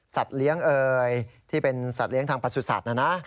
สัตว์เลี้ยงเอ๋ยที่เป็นสัตว์เลี้ยงทางปราสุทธิ์สัตว์นะนะ